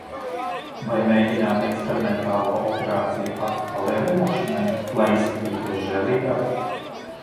Vai mēģināt eksperimentālo operāciju acu palielināšanai, lai izskatītos žēlīgāk?